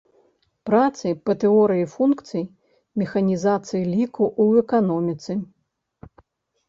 Працы па тэорыі функцый, механізацыі ліку ў эканоміцы.